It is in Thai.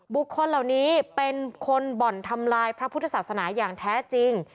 คนเหล่านี้เป็นคนบ่อนทำลายพระพุทธศาสนาอย่างแท้จริง